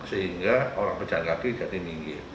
sehingga orang pejalan kaki jadi minggir